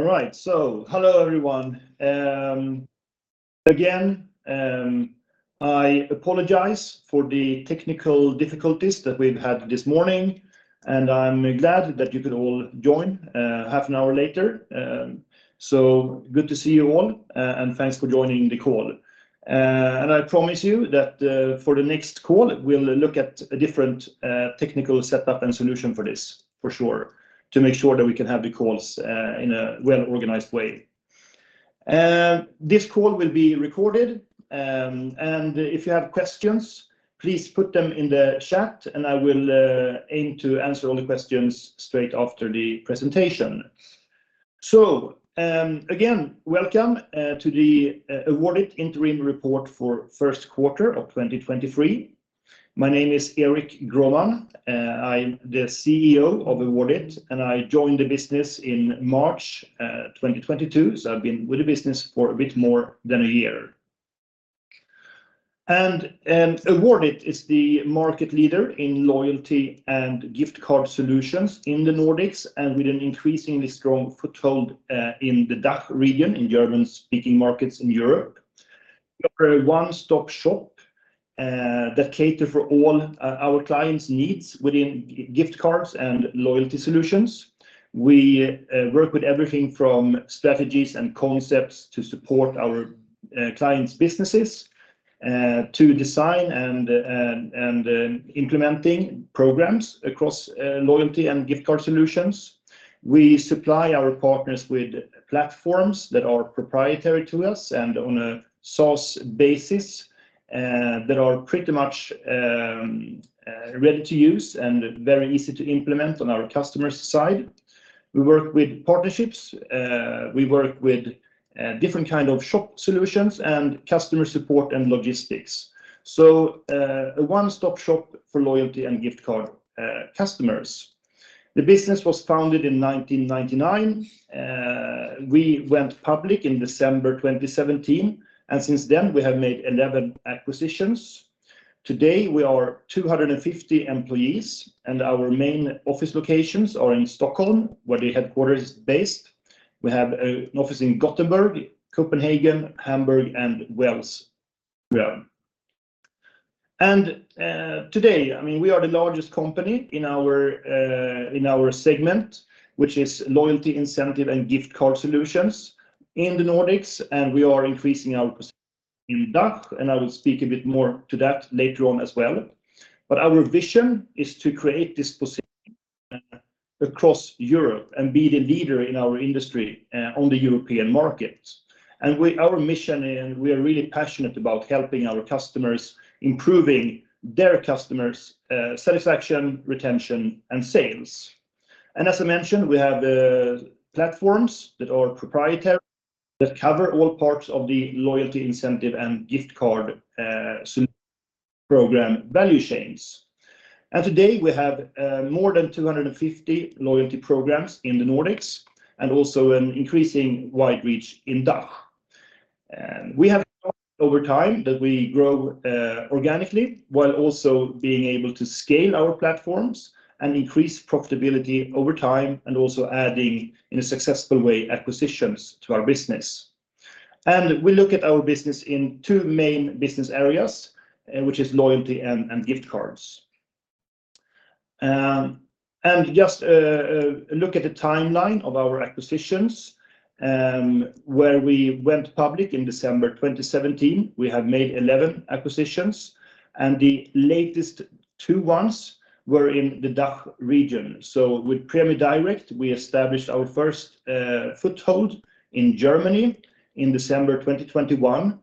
All right. Hello everyone. Again, I apologize for the technical difficulties that we've had this morning, and I'm glad that you could all join half an hour later. Good to see you all, and thanks for joining the call. I promise you that for the next call, we'll look at a different technical setup and solution for this for sure to make sure that we can have the calls in a well-organized way. This call will be recorded. If you have questions, please put them in the chat, and I will aim to answer all the questions straight after the presentation. Again, welcome to the Awardit interim report for first quarter of 2023. My name is Erik Grohman. I'm the CEO of Awardit, and I joined the business in March 2022. I've been with the business for a bit more than a year. Awardit is the market leader in loyalty and gift card solutions in the Nordics, and with an increasingly strong foothold in the DACH region, in German-speaking markets in Europe. We are a one-stop shop that cater for all our clients' needs within gift cards and loyalty solutions. We work with everything from strategies and concepts to support our clients' businesses, to design and implementing programs across loyalty and gift card solutions. We supply our partners with platforms that are proprietary to us and on a SaaS basis, that are pretty much ready to use and very easy to implement on our customer's side. We work with partnerships. We work with different kind of shop solutions and customer support and logistics. A one-stop shop for loyalty and gift card customers. The business was founded in 1999. We went public in December 2017, and since then we have made 11 acquisitions. Today, we are 250 employees, and our main office locations are in Stockholm, where the headquarters is based. We have an office in Gothenburg, Copenhagen, Hamburg and Wels, Austria. Today, I mean, we are the largest company in our segment, which is loyalty incentive and gift card solutions in the Nordics, and we are increasing our presence in DACH, and I will speak a bit more to that later on as well. Our vision is to create this position across Europe and be the leader in our industry on the European market. Our mission, and we are really passionate about helping our customers, improving their customers' satisfaction, retention, and sales. As I mentioned, we have platforms that are proprietary that cover all parts of the loyalty incentive and gift card solution program value chains. Today we have more than 250 loyalty programs in the Nordics and also an increasing wide reach in DACH. We have said over time that we grow organically while also being able to scale our platforms and increase profitability over time and also adding, in a successful way, acquisitions to our business. We look at our business in two main business areas, which is loyalty and gift cards. Just a look at the timeline of our acquisitions, where we went public in December 2017. We have made 11 acquisitions. The latest two ones were in the DACH region. With Prämie Direkt, we established our first foothold in Germany in December 2021.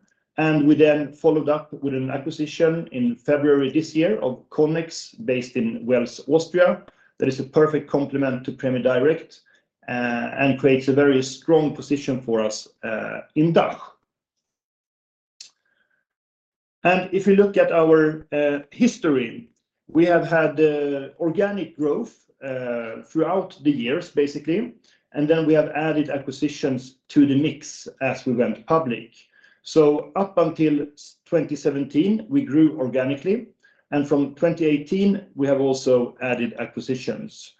We then followed up with an acquisition in February this year of Connex, based in Wels, Austria. That is a perfect complement to Prämie Direkt, and creates a very strong position for us in DACH. If you look at our history, we have had organic growth throughout the years, basically. Then we have added acquisitions to the mix as we went public. Up until 2017, we grew organically. From 2018, we have also added acquisitions.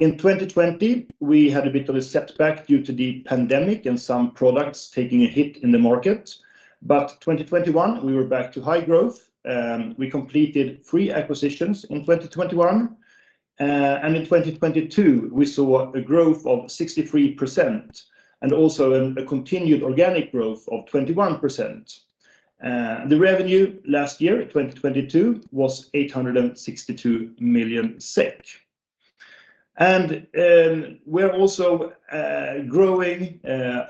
In 2020, we had a bit of a setback due to the pandemic and some products taking a hit in the market. 2021, we were back to high growth. We completed three acquisitions in 2021. In 2022, we saw a growth of 63% and also a continued organic growth of 21%. The revenue last year, 2022, was 862 million SEK. We're also growing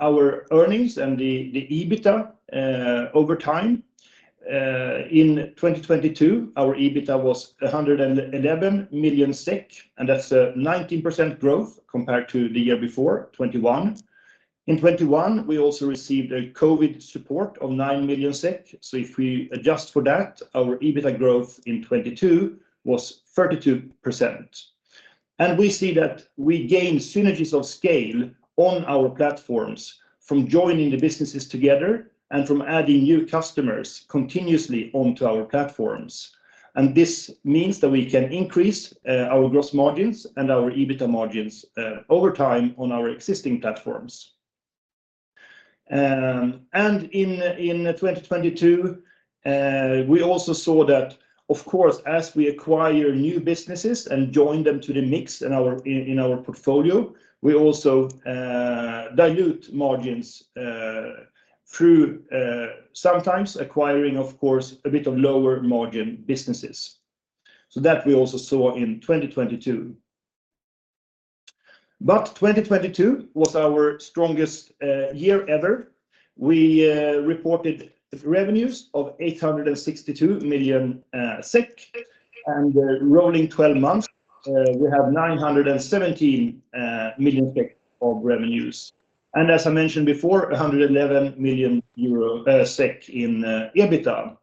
our earnings and the EBITDA over time. In 2022, our EBITDA was 111 million SEK, and that's a 19% growth compared to the year before, 2021. In 2021, we also received a COVID support of 9 million SEK. If we adjust for that, our EBITDA growth in 2022 was 32%. We see that we gain synergies of scale on our platforms from joining the businesses together and from adding new customers continuously onto our platforms. This means that we can increase our gross margins and our EBITDA margins over time on our existing platforms. In 2022, we also saw that of course, as we acquire new businesses and join them to the mix in our portfolio, we also dilute margins through sometimes acquiring of course a bit of lower margin businesses. That we also saw in 2022. 2022 was our strongest year ever. We reported revenues of 862 million SEK. Rolling 12 months, we have 917 million SEK of revenues, as I mentioned before, SEK 111 million in EBITDA.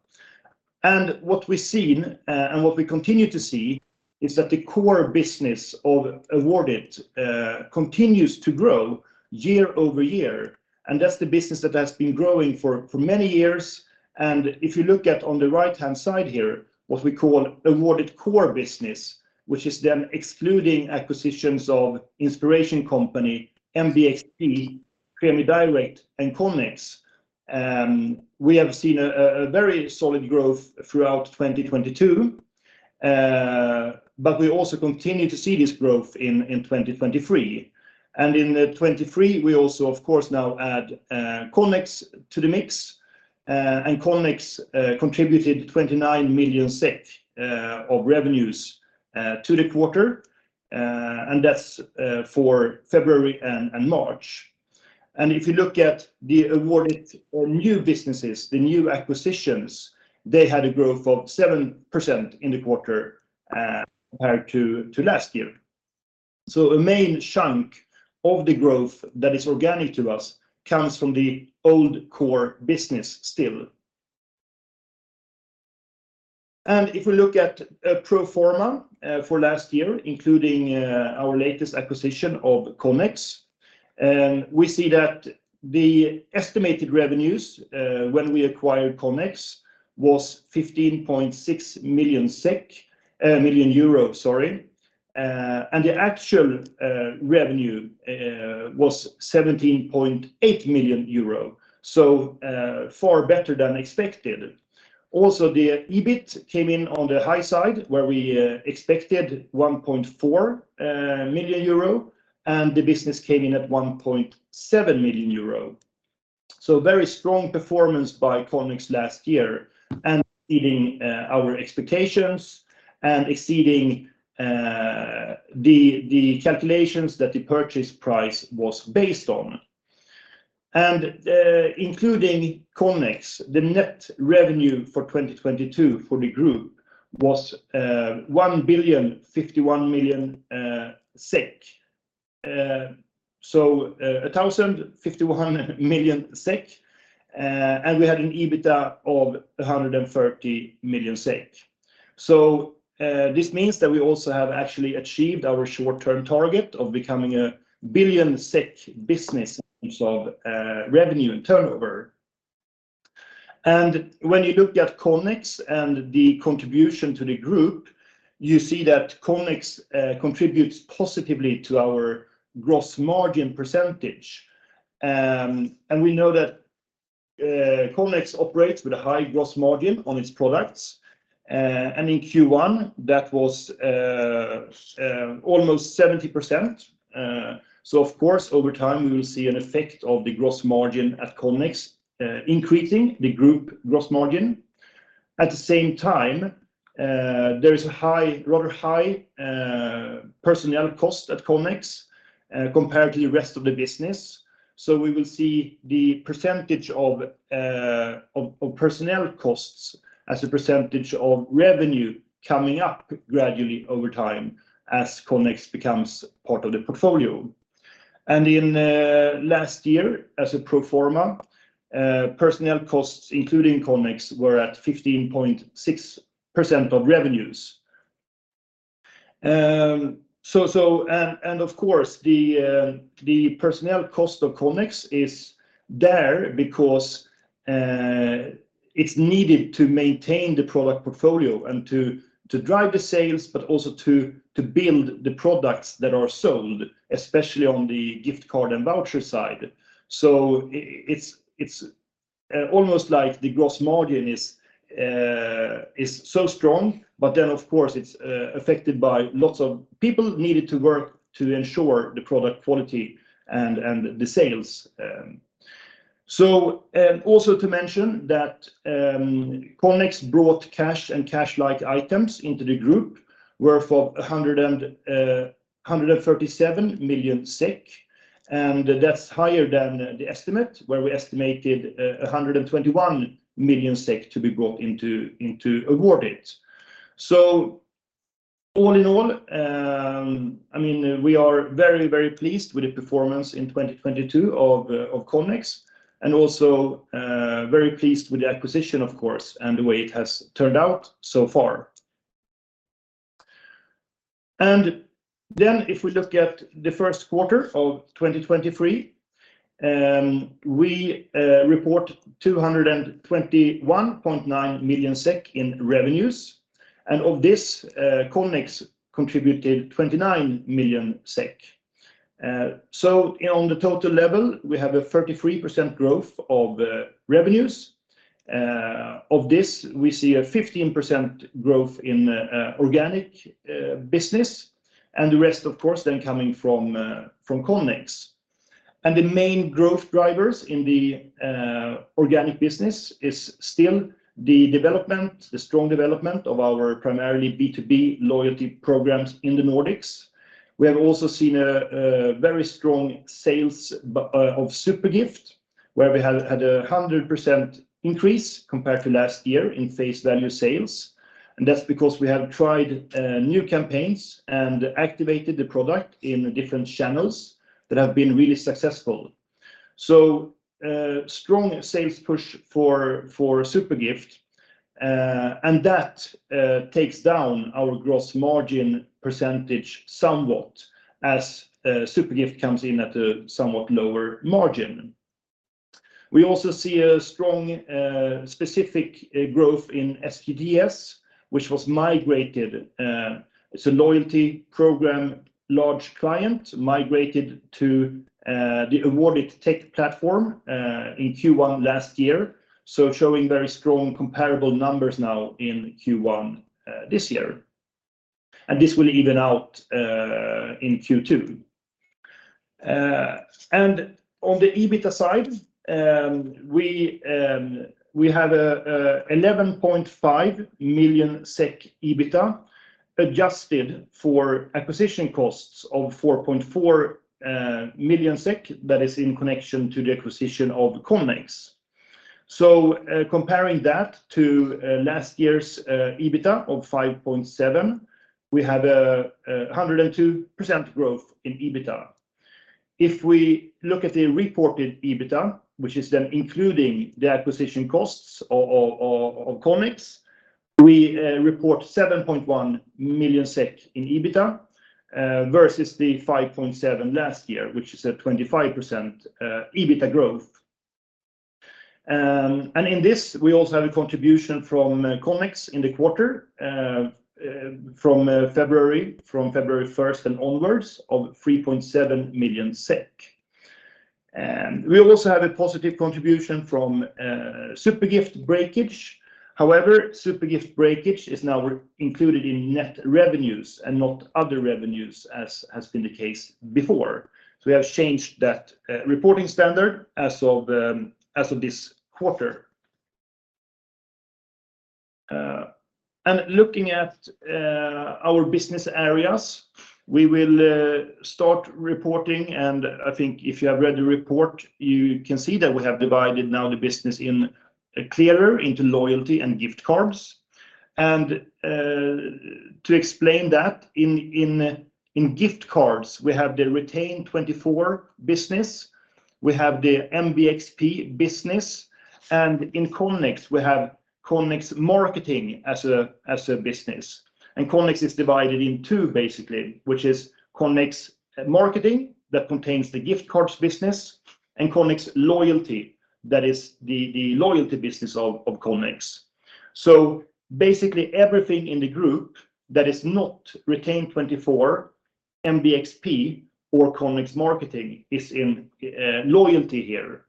What we've seen, and what we continue to see is that the core business of Awardit continues to grow year-over-year, and that's the business that has been growing for many years. If you look at on the right-hand side here, what we call Awardit core business, which is then excluding acquisitions of The Inspiration Company, MBXP, Prämie Direkt, and Connex. We have seen a very solid growth throughout 2022. We also continue to see this growth in 2023. In 2023 we also of course now add Connex to the mix. Connex contributed 29 million SEK of revenues to the quarter. That's for February and March. If you look at the Awardit new businesses, the new acquisitions, they had a growth of 7% in the quarter compared to last year. A main chunk of the growth that is organic to us comes from the old core business still. If we look at pro forma for last year, including our latest acquisition of Connex, we see that the estimated revenues when we acquired Connex was EUR 15.6 million, sorry. The actual revenue was 17.8 million euro, so far better than expected. The EBIT came in on the high side where we expected 1.4 million euro, and the business came in at 1.7 million euro. Very strong performance by Connex last year and beating our expectations and exceeding the calculations that the purchase price was based on. Including Connex, the net revenue for 2022 for the group was 1,051,000,000. A 1,051 million SEK SEK. And we had an EBITDA of 130 million SEK. This means that we also have actually achieved our short-term target of becoming a 1 billion SEK business in terms of revenue and turnover. When you look at Connex and the contribution to the group, you see that Connex contributes positively to our gross margin percentage. We know that Connex operates with a high gross margin on its products. In Q1 that was almost 70%. Of course over time we will see an effect of the gross margin at Connex increasing the group gross margin. At the same time, there is a rather high personnel cost at Connex compared to the rest of the business. We will see the percentage of personnel costs as a percentage of revenue coming up gradually over time as Connex becomes part of the portfolio. In last year, as a pro forma, personnel costs, including Connex, were at 15.6% of revenues. Of course the personnel cost of Connex is there because it's needed to maintain the product portfolio and to drive the sales, but also to build the products that are sold, especially on the gift card and voucher side. It's almost like the gross margin is so strong. Of course it's affected by lots of people needed to work to ensure the product quality and the sales. Also to mention that Connex brought cash and cash-like items into the group worth of 137 million SEK. That's higher than the estimate, where we estimated 121 million SEK to be brought into Awardit. All in all, I mean, we are very pleased with the performance in 2022 of Connex and also very pleased with the acquisition of course, and the way it has turned out so far. If we look at the first quarter of 2023, we report 221.9 million SEK in revenues. Of this, Connex contributed 29 million SEK. On the total level, we have a 33% growth of revenues. Of this, we see a 15% growth in organic business and the rest of course then coming from Connex. The main growth drivers in the organic business is still the development, the strong development of our primarily B2B loyalty programs in the Nordics. We have also seen a very strong sales of Zupergift, where we had a 100% increase compared to last year in face value sales. That's because we have tried new campaigns and activated the product in different channels that have been really successful. Strong sales push for Zupergift, and that takes down our gross margin percentage somewhat as Zupergift comes in at a somewhat lower margin. We also see a strong, specific growth in SGDS, which was migrated, it's a loyalty program large client migrated to the Awardit tech platform in Q1 last year. Showing very strong comparable numbers now in Q1 this year. This will even out in Q2. On the EBITA side, we have 11.5 million SEK EBITA adjusted for acquisition costs of 4.4 million SEK that is in connection to the acquisition of Connex. Comparing that to last year's EBITA of 5.7 million, we have 102% growth in EBITA. If we look at the reported EBITA, which is then including the acquisition costs of Connex, we report 7.1 million SEK in EBITA versus the 5.7 million last year, which is a 25% EBITA growth. In this, we also have a contribution from Connex in the quarter from February 1st and onwards of 3.7 million SEK. We also have a positive contribution from Zupergift breakage. Zupergift breakage is now included in net revenues and not other revenues as been the case before. We have changed that reporting standard as of this quarter. Looking at our business areas, we will start reporting, and I think if you have read the report, you can see that we have divided now the business in clearer into loyalty and gift cards. To explain that, in gift cards, we have the Retain24 business, we have the MBXP business, and in Connex, we have Connex Marketing as a business. Connex is divided in two basically, which is Connex Marketing that contains the gift cards business and Connex Loyalty, that is the loyalty business of Connex. Basically everything in the group that is not Retain24, MBXP, or Connex Marketing is in loyalty here.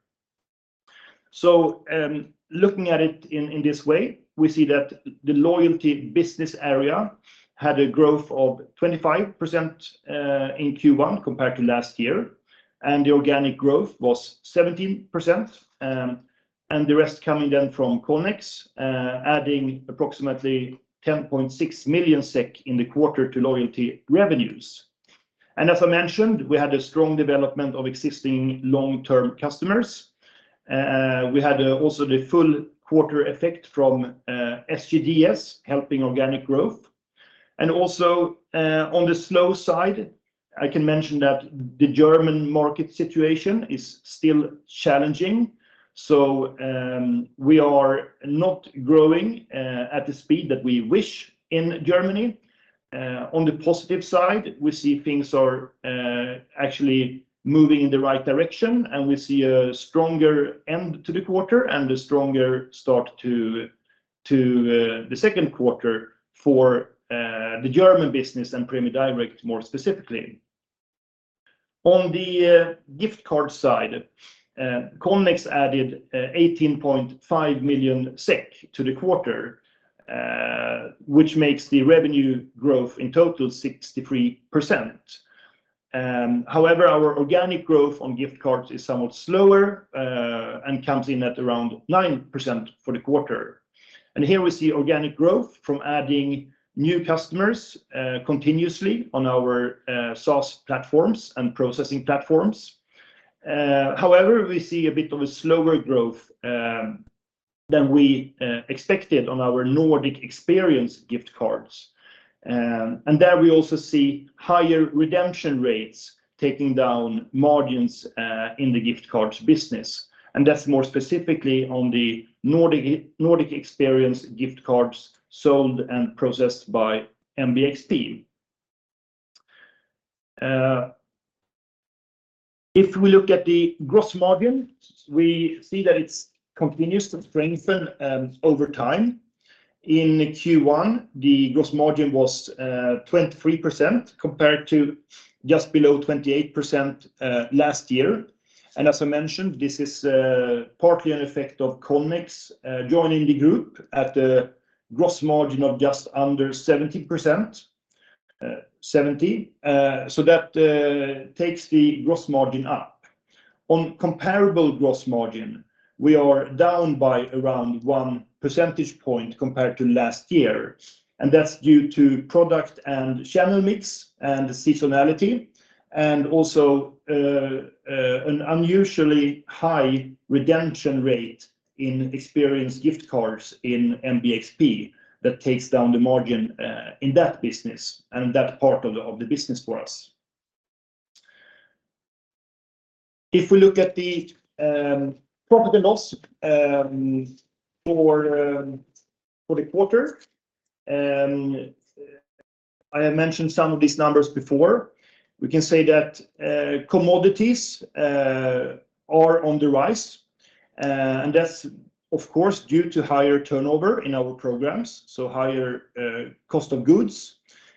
Looking at it in this way, we see that the loyalty business area had a growth of 25% in Q1 compared to last year, and the organic growth was 17%, and the rest coming then from Connex, adding approximately 10.6 million SEK in the quarter to loyalty revenues. As I mentioned, we had a strong development of existing long-term customers. We had also the full quarter effect from SGDS helping organic growth. Also, on the slow side, I can mention that the German market situation is still challenging, we are not growing at the speed that we wish in Germany. On the positive side, we see things are actually moving in the right direction, and we see a stronger end to the quarter and a stronger start to the second quarter for the German business and Prämie Direkt more specifically. On the gift card side, Connex added 18.5 million SEK to the quarter, which makes the revenue growth in total 63%. However, our organic growth on gift cards is somewhat slower, and comes in at around 9% for the quarter. Here we see organic growth from adding new customers continuously on our SaaS platforms and processing platforms. However, we see a bit of a slower growth than we expected on our Nordic experience gift cards. There we also see higher redemption rates taking down margins in the gift cards business. That's more specifically on the Nordic experience gift cards sold and processed by MBXP. If we look at the gross margin, we see that it's continuous to strengthen over time. In Q1, the gross margin was 23% compared to just below 28% last year. As I mentioned, this is partly an effect of Connex joining the group at the gross margin of just under 70%. So that takes the gross margin up. On comparable gross margin, we are down by around 1 percentage point compared to last year, and that's due to product and channel mix and seasonality and also an unusually high redemption rate in experience gift cards in MBXP that takes down the margin in that business and that part of the business for us. If we look at the profit and loss for the quarter, I have mentioned some of these numbers before. We can say that commodities are on the rise, and that's of course due to higher turnover in our programs, so higher cost of goods.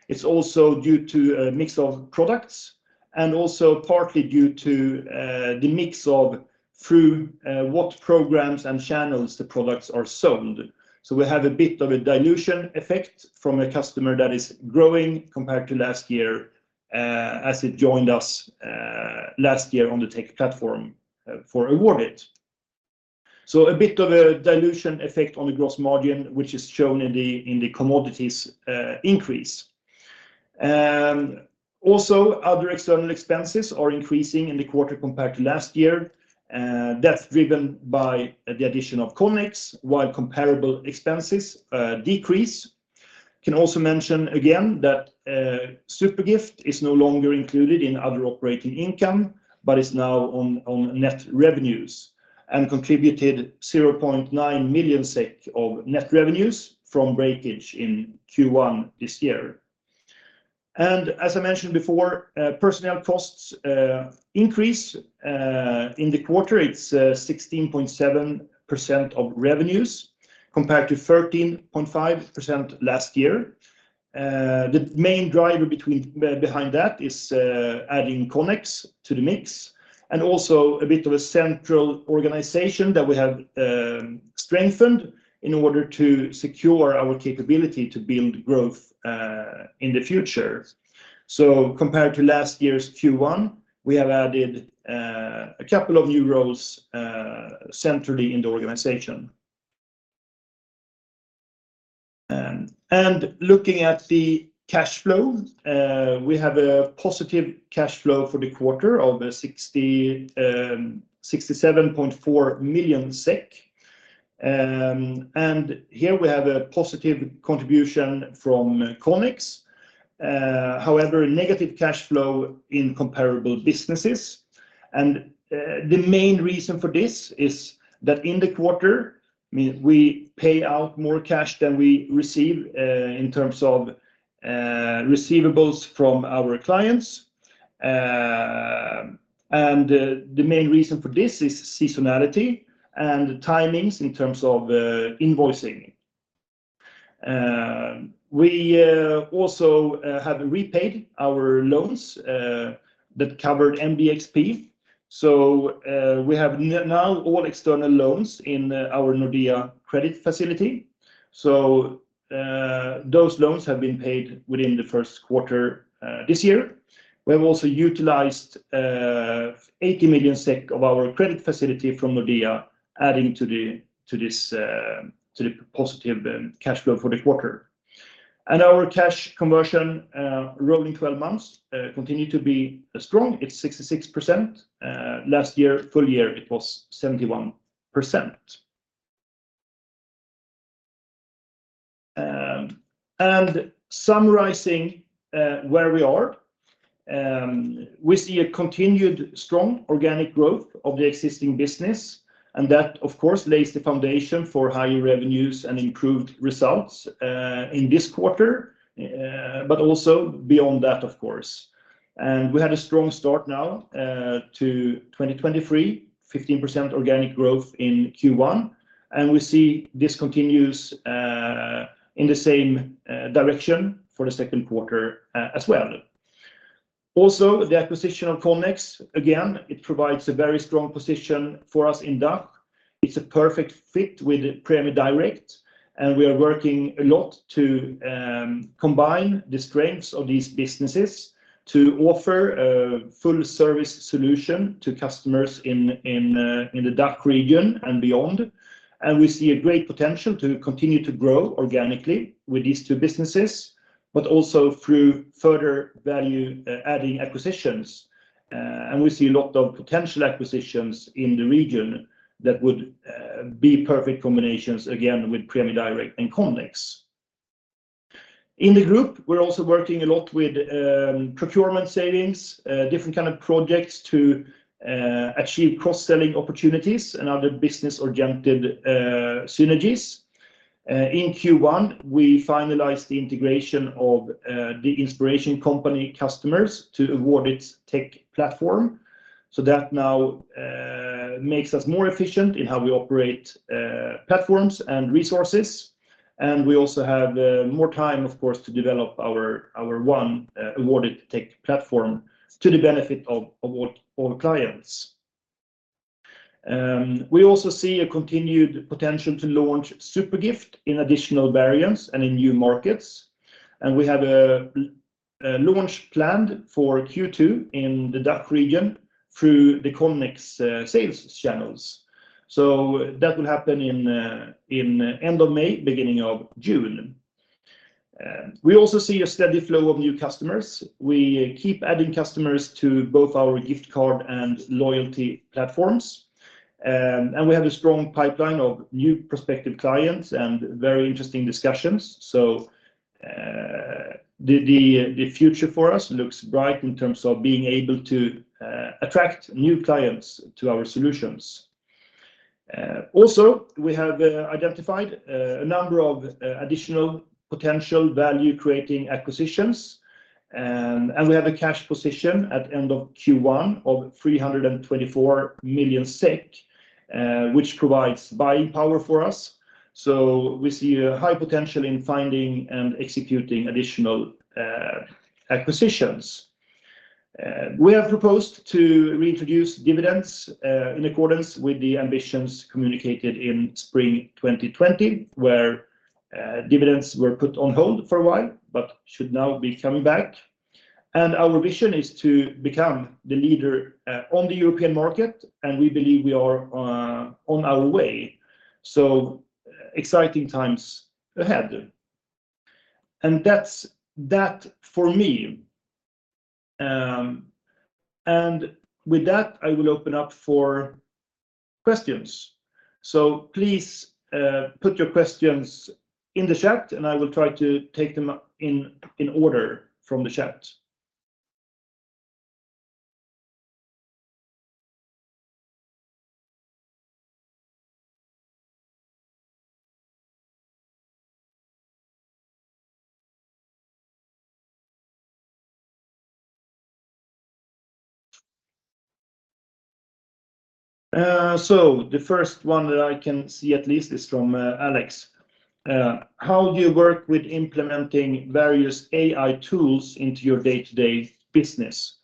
It's also due to a mix of products and also partly due to the mix of through what programs and channels the products are sold. We have a bit of a dilution effect from a customer that is growing compared to last year, as it joined us last year on the tech platform for Awardit. A bit of a dilution effect on the gross margin, which is shown in the commodities increase. Also other external expenses are increasing in the quarter compared to last year. That's driven by the addition of Connex while comparable expenses decrease. Can also mention again that Zupergift is no longer included in other operating income, but is now on net revenues and contributed 0.9 million SEK of net revenues from breakage in Q1 this year. As I mentioned before, personnel costs increase in the quarter. It's 16.7% of revenues compared to 13.5% last year. The main driver behind that is adding Connex to the mix and also a bit of a central organization that we have strengthened in order to secure our capability to build growth in the future. Compared to last year's Q1, we have added a couple of new roles centrally in the organization. Looking at the cash flow, we have a positive cash flow for the quarter of 67.4 million SEK, and here we have a positive contribution from Connex. However, a negative cash flow in comparable businesses, the main reason for this is that in the quarter, I mean, we pay out more cash than we receive in terms of receivables from our clients. The main reason for this is seasonality and timings in terms of invoicing. We also have repaid our loans that covered MBXP. We have now all external loans in our Nordea credit facility. Those loans have been paid within the first quarter this year. We have also utilized 80 million SEK of our credit facility from Nordea, adding to the, to this, to the positive cash flow for the quarter. Our cash conversion, rolling 12 months, continue to be strong. It's 66%. Last year, full year, it was 71%. Summarizing where we are, we see a continued strong organic growth of the existing business, that of course lays the foundation for higher revenues and improved results in this quarter, but also beyond that, of course. We had a strong start now to 2023, 15% organic growth in Q1, and we see this continues in the same direction for the second quarter as well. Also, the acquisition of Connex, again, it provides a very strong position for us in DACH. It's a perfect fit with Prämie Direkt, and we are working a lot to combine the strengths of these businesses to offer a full service solution to customers in the DACH region and beyond. We see a great potential to continue to grow organically with these two businesses, but also through further value adding acquisitions. We see a lot of potential acquisitions in the region that would be perfect combinations, again, with Prämie Direkt and Connex. In the group, we're also working a lot with procurement savings, different kind of projects to achieve cross-selling opportunities and other business adjunctive synergies. In Q1, we finalized the integration of The Inspiration Company customers to Awardit's tech platform. That now makes us more efficient in how we operate platforms and resources. We also have more time, of course, to develop our one Awardit tech platform to the benefit of all clients. We also see a continued potential to launch Zupergift in additional variants and in new markets. We have a launch planned for Q2 in the DACH region through the Connex sales channels. That will happen in end of May, beginning of June. We also see a steady flow of new customers. We keep adding customers to both our gift card and loyalty platforms. We have a strong pipeline of new prospective clients and very interesting discussions. The future for us looks bright in terms of being able to attract new clients to our solutions. Also, we have identified a number of additional potential value-creating acquisitions. We have a cash position at end of Q1 of 324 million SEK, which provides buying power for us. We see a high potential in finding and executing additional acquisitions. We have proposed to reintroduce dividends in accordance with the ambitions communicated in spring 2020, where dividends were put on hold for a while, should now be coming back. Our vision is to become the leader on the European market, and we believe we are on our way. Exciting times ahead. That's that for me. With that, I will open up for questions. Please put your questions in the chat, and I will try to take them in order from the chat. The first one that I can see at least is from Alex. How do you work with implementing various AI tools into your day-to-day business?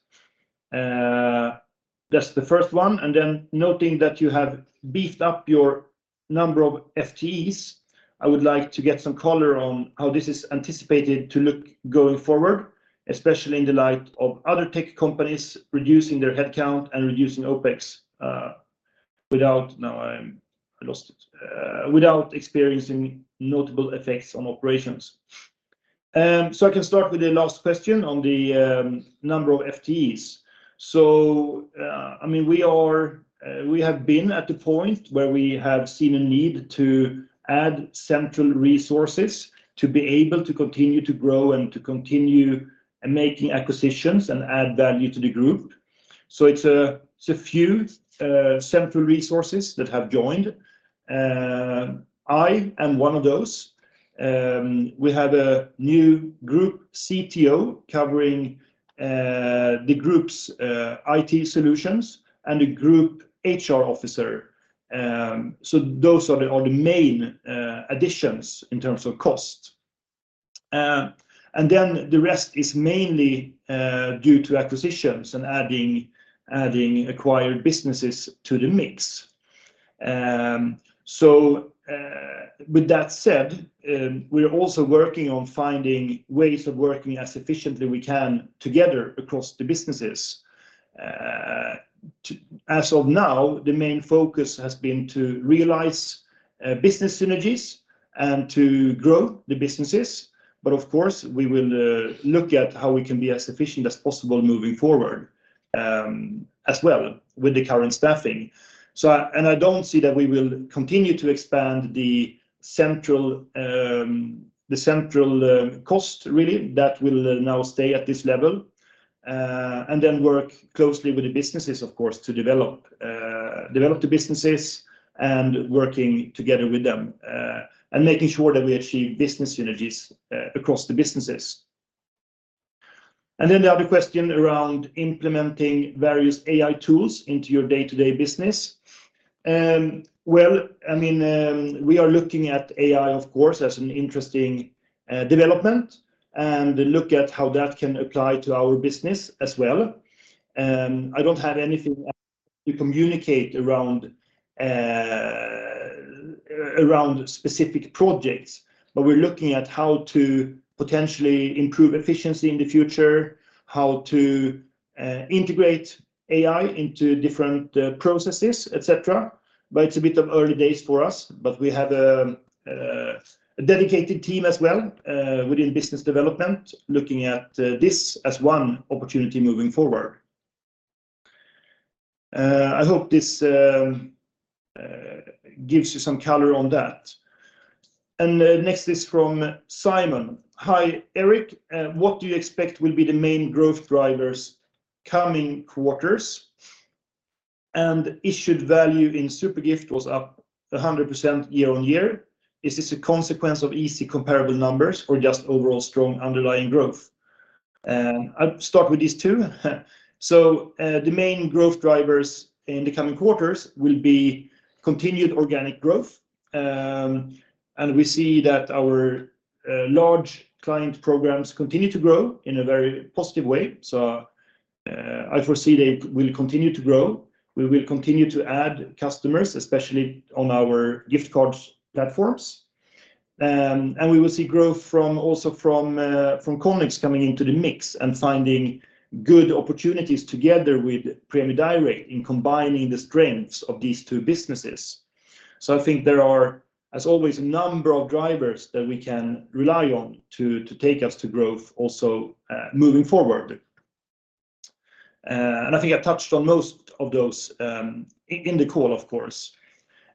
That's the first one. Noting that you have beefed up your number of FTEs, I would like to get some color on how this is anticipated to look going forward, especially in the light of other tech companies reducing their headcount and reducing OpEx without experiencing notable effects on operations. I can start with the last question on the number of FTEs. I mean, we have been at the point where we have seen a need to add central resources to be able to continue to grow and to continue making acquisitions and add value to the group. It's a, it's a few central resources that have joined. I am one of those. We have a new Group CTO covering the group's IT solutions and a Group HR officer. Those are the main additions in terms of cost. Then the rest is mainly due to acquisitions and adding acquired businesses to the mix. With that said, we are also working on finding ways of working as efficiently we can together across the businesses. As of now, the main focus has been to realize business synergies and to grow the businesses. Of course, we will look at how we can be as efficient as possible moving forward as well with the current staffing. I don't see that we will continue to expand the central cost really. That will now stay at this level, and then work closely with the businesses of course, to develop the businesses and working together with them, and making sure that we achieve business synergies across the businesses. The other question around implementing various AI tools into your day-to-day business. Well, I mean, we are looking at AI, of course, as an interesting development and look at how that can apply to our business as well. I don't have anything to communicate around specific projects, but we're looking at how to potentially improve efficiency in the future, how to integrate AI into different processes, et cetera. It's a bit of early days for us, but we have a dedicated team as well within business development looking at this as one opportunity moving forward. I hope this gives you some color on that. Next is from Simon. Hi, Erik. What do you expect will be the main growth drivers coming quarters? Issued value in Zupergift was up 100% year-over-year. Is this a consequence of easy comparable numbers or just overall strong underlying growth? I'll start with these two. The main growth drivers in the coming quarters will be continued organic growth, and we see that our large client programs continue to grow in a very positive way. I foresee they will continue to grow. We will continue to add customers, especially on our gift card platforms, and we will see growth also from Connex coming into the mix and finding good opportunities together with Prämie Direkt in combining the strengths of these two businesses. I think there are, as always, a number of drivers that we can rely on to take us to growth also moving forward. I think I touched on most of those in the call, of course.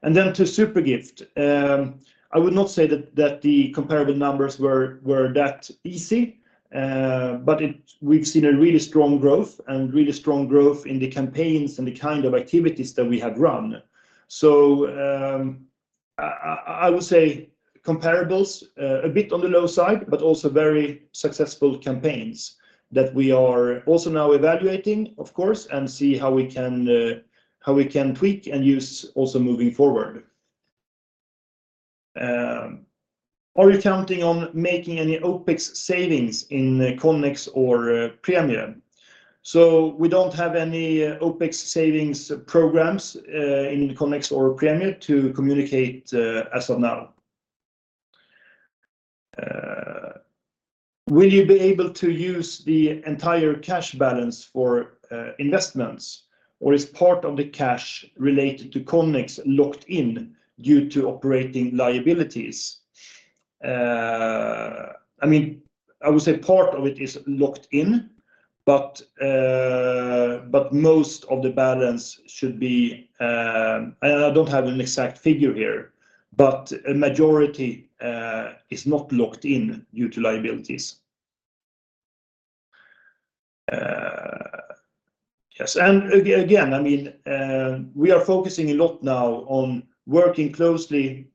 Then to Zupergift, I would not say that the comparable numbers were that easy, but we've seen a really strong growth in the campaigns and the kind of activities that we have run. I would say comparables a bit on the low side, but also very successful campaigns that we are also now evaluating, of course, and see how we can tweak and use also moving forward. Are you counting on making any OpEx savings in Connex or Prämie Direkt? We don't have any OpEx savings programs in Connex or Prämie to communicate as of now. Will you be able to use the entire cash balance for investments, or is part of the cash related to Connex locked in due to operating liabilities? I mean, I would say part of it is locked in, but most of the balance should be. I don't have an exact figure here, but a majority is not locked in due to liabilities. Yes. Again, I mean, we are focusing a lot now on working closely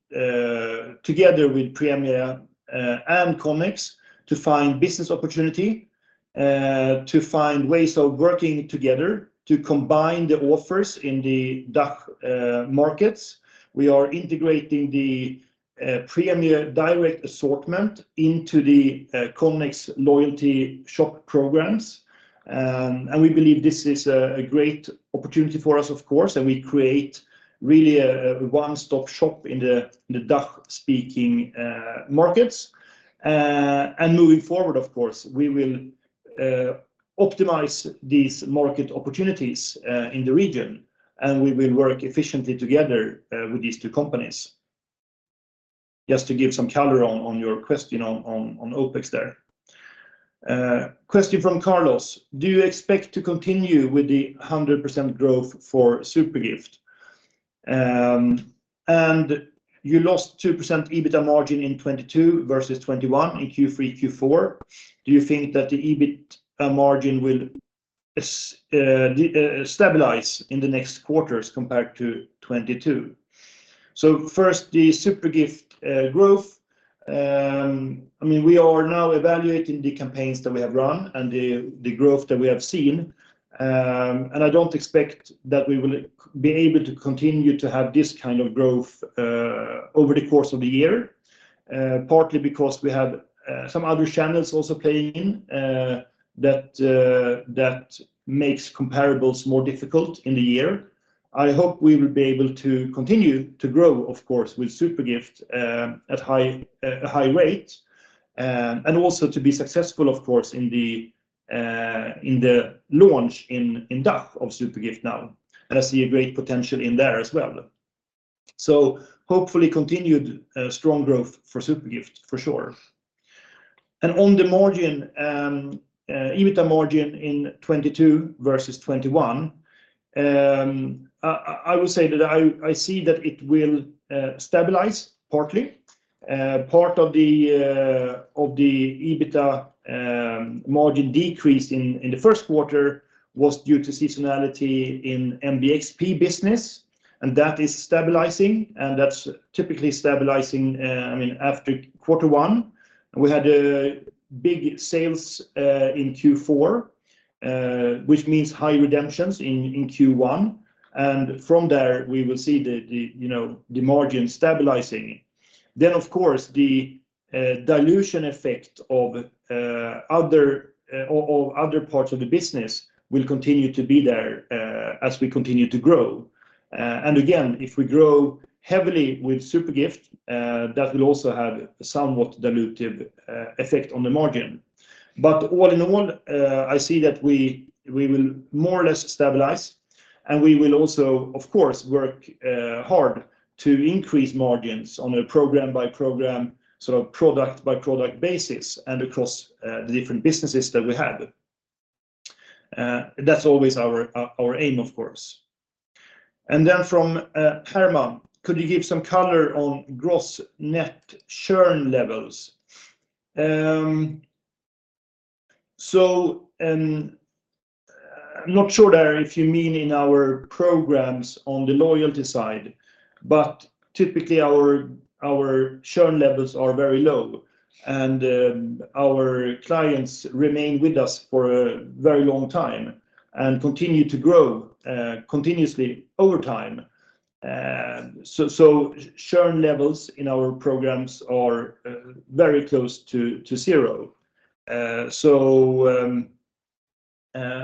together with Prämie and Connex to find business opportunity, to find ways of working together to combine the offers in the DACH markets. We are integrating the Prämie Direkt assortment into the Connex Loyalty shop programs, we believe this is a great opportunity for us, of course, and we create really a one-stop shop in the DACH-speaking markets. Moving forward, of course, we will optimize these market opportunities in the region, and we will work efficiently together with these two companies. Just to give some color on your question on OpEx there. Question from Carlos: Do you expect to continue with the 100% growth for Zupergift? You lost 2% EBITDA margin in 2022 versus 2021 in Q3, Q4. Do you think that the EBIT margin will stabilize in the next quarters compared to 2022? First, the Zupergift growth. I mean, we are now evaluating the campaigns that we have run and the growth that we have seen. I don't expect that we will be able to continue to have this kind of growth over the course of the year, partly because we have some other channels also playing in that makes comparables more difficult in the year. I hope we will be able to continue to grow, of course, with Zupergift at high high rate and also to be successful, of course, in the launch in DACH of Zupergift now. I see a great potential in there as well. Hopefully continued strong growth for Zupergift for sure. On the margin, EBITDA margin in 2022 versus 2021, I would say that I see that it will stabilize partly. Part of the EBITDA margin decrease in the first quarter was due to seasonality in MBXP business, and that is stabilizing, and that's typically stabilizing, I mean, after quarter one. We had big sales in Q4, which means high redemptions in Q1, and from there, we will see the, you know, the margin stabilizing. Of course, the dilution effect of other parts of the business will continue to be there, as we continue to grow. Again, if we grow heavily with Zupergift, that will also have somewhat dilutive effect on the margin. All in all, I see that we will more or less stabilize, and we will also, of course, work hard to increase margins on a program-by-program, sort of product-by-product basis and across the different businesses that we have. That's always our aim, of course. From Herman: Could you give some color on gross net churn levels? I'm not sure there if you mean in our programs on the loyalty side, but typically our churn levels are very low and our clients remain with us for a very long time and continue to grow continuously over time. So churn levels in our programs are very close to zero. I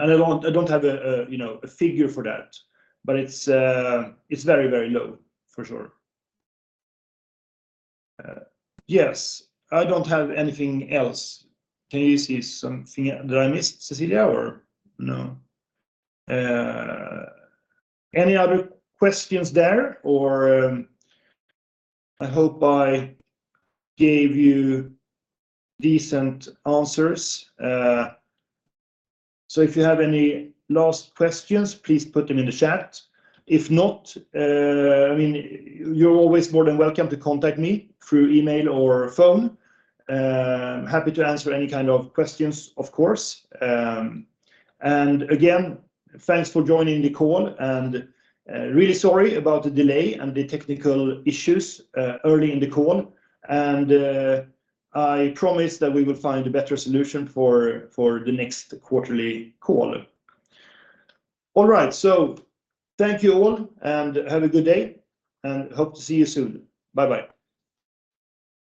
don't have a, you know, a figure for that, but it's very, very low for sure. Yes. I don't have anything else. Can you see something? Did I miss Cecilia or no? Any other questions there or? I hope I gave you decent answers. If you have any last questions, please put them in the chat. If not, I mean, you're always more than welcome to contact me through email or phone. I'm happy to answer any kind of questions, of course. Again, thanks for joining the call and really sorry about the delay and the technical issues early in the call. I promise that we will find a better solution for the next quarterly call. All right. Thank you all and have a good day and hope to see you soon. Bye-bye.